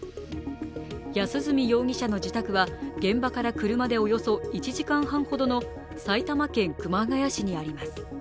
安栖容疑者の自宅は現場から車でおよそ１時間半ほどの埼玉県熊谷市にあります。